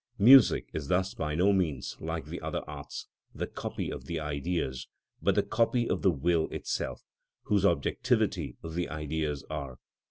Music is thus by no means like the other arts, the copy of the Ideas, but the copy of the will itself, whose objectivity the Ideas are.